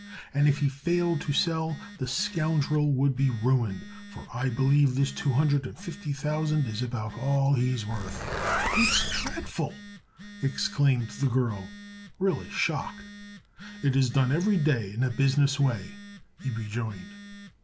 "And, if he failed to sell, the scoundrel would be ruined, for I believe this two hundred and fifty thousand is about all he's worth." "It's dreadful!" exclaimed the girl, really shocked. "It is done every day in a business way," he rejoined.